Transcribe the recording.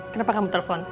kenapa kamu telepon